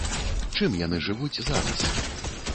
Чым яны жывуць зараз?